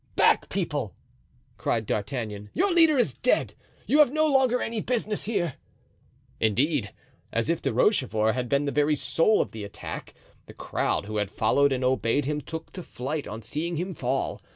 "Back, people!" cried D'Artagnan, "your leader is dead; you have no longer any business here." Indeed, as if De Rochefort had been the very soul of the attack, the crowd who had followed and obeyed him took to flight on seeing him fall.